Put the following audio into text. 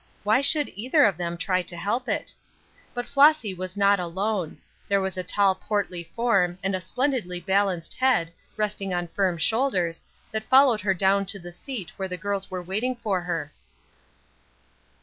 (Why should either of them try to help it?) But Flossy was not alone; there was a tall portly form, and a splendidly balanced head, resting on firm shoulders, that followed her down to the seat where the girls were waiting for her.